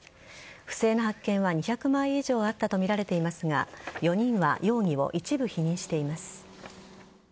不正な発券は２００万以上あったとみられていますが４人は容疑を一部否認しています。